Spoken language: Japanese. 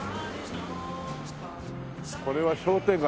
これは商店街？